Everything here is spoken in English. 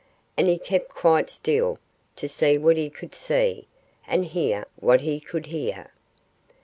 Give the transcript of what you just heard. And he kept quite still, to see what he could see, and hear what he could hear.